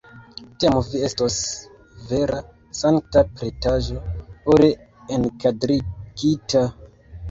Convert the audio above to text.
Tiam vi estos vera sankta pentraĵo, ore enkadrigita!